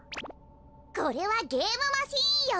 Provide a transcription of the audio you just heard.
これはゲームマシンよ。